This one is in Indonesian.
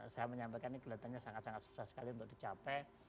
saya menyampaikan ini kelihatannya sangat sangat susah sekali untuk dicapai